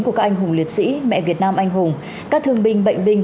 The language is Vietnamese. của các anh hùng liệt sĩ mẹ việt nam anh hùng các thương binh bệnh binh